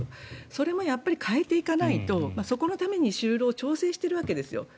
それもやっぱり変えていかないとそこのために就労を調整しているわけです。